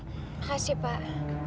terima kasih pak